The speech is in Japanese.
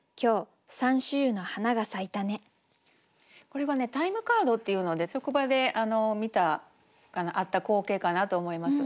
これはね「タイムカード」っていうので職場で見たあった光景かなと思います。